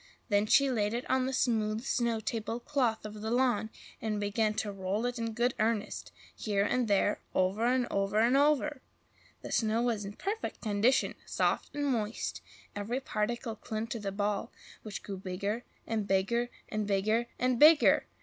Then she laid it on the smooth snow table cloth of the lawn, and began to roll it in good earnest, here and there, over and over and over. The snow was in perfect condition, soft and moist; every particle clung to the ball, which grew bigger and bigger and BIGGER and BIGGER!